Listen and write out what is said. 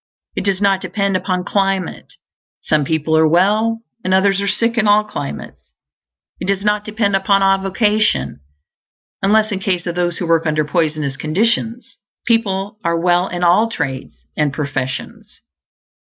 It does not depend upon climate; some people are well and others are sick in all climates. It does not depend upon avocation, unless in case of those who work under poisonous conditions; people are well in all trades and professions.